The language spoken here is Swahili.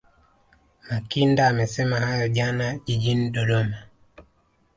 Makinda amesema hayo jana jijini Dodoma